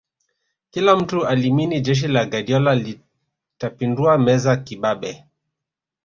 kila mtu alimini jeshi la guardiola litapindua meza kibabe